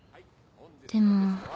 でも。